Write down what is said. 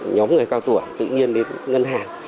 nhóm người cao tùa tự nhiên đến ngân hàng